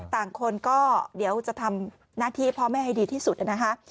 ต่างคนก็เดี๋ยวจะทำหน้าที่พ่อแม่ให้ดีที่สุดนะคะ